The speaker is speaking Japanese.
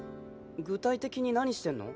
具体的に何してんの？